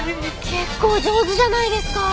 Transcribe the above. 結構上手じゃないですか！